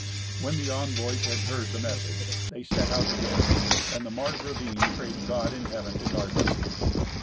When the envoys had heard the message, they set out again, and the Margravine prayed God in Heaven to guard them.